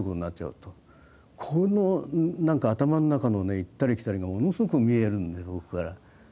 この頭の中のね行ったり来たりがものすごく見えるんですぼくから。